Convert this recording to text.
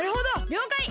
りょうかい！